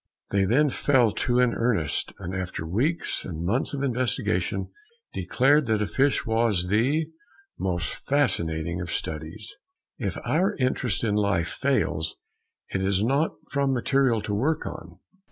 They then fell to in earnest and after weeks and months of investigation declared that a fish was the most fascinating of studies. If our interest in life fails, it is not from material to work on.